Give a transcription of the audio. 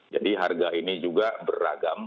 jadi harga ini juga beragam